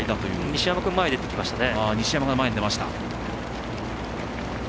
西山君前に出てきましたね。